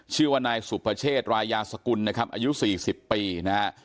ชื่อว่านายสุภเชษรายาสกุลนะครับอายุ๔๐ปีนะฮะ